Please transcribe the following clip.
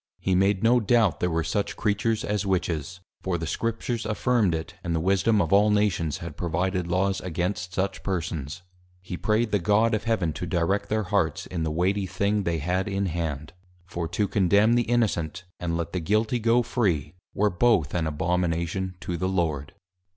He made no doubt, there were such Creatures as Witches; for the Scriptures affirmed it; and the Wisdom of all Nations had provided Laws against such persons. He pray'd the God of Heaven to direct their Hearts in the weighty thing they had in hand; for, _To Condemn the Innocent, and let the Guilty go free, were both an Abomination to the Lord.